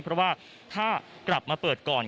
เพราะว่าถ้ากลับมาเปิดก่อน